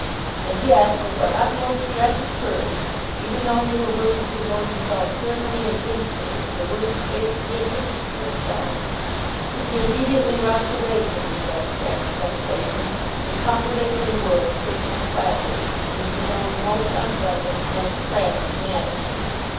And yet, with what utmost stretch of courage, even though he were willing to devote himself certainly and instantly to the worst fate that he had pictured to himself, could he immediately rush away from these abstract speculations, encumbered as they were with personal flattery, into his own most unpleasant, most tragic matter!